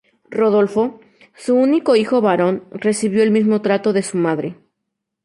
Rodolfo, su único hijo varón, recibió el mismo trato de su madre.